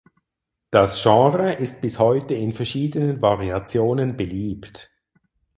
Das Genre ist bis heute in verschiedenen Variationen beliebt.